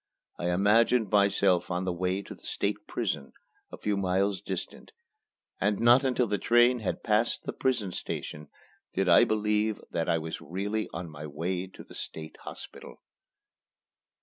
I imagined myself on the way to the State Prison, a few miles distant; and not until the train had passed the prison station did I believe that I was really on my way to the State Hospital.